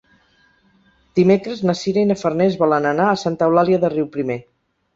Dimecres na Sira i na Farners volen anar a Santa Eulàlia de Riuprimer.